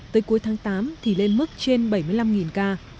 tới cuối tháng tám thì lên mức trên bảy mươi năm ca